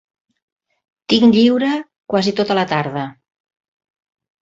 Tinc lliure quasi tota la tarda.